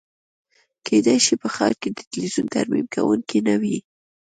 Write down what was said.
کیدای شي په ښار کې د تلویزیون ترمیم کونکی نه وي